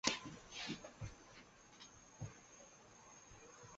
阿贝折射仪主要用于测定透明液体的折射率。